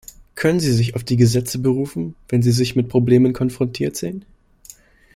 Können sie sich auf die Gesetze berufen, wenn sie sich mit Problemen konfrontiert sehen?